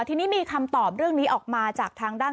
ทีนี้มีคำตอบเรื่องนี้ออกมาจากทางด้าน